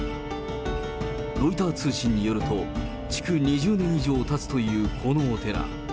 ロイター通信によると、築２０年以上たつというこのお寺。